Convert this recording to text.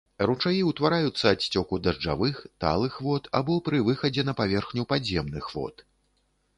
Ручаі ўтвараюцца ад сцёку дажджавых, талых вод або пры выхадзе на паверхню падземных вод.